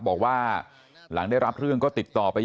บอกว่าหลังได้รับเรื่องก็ติดต่อไป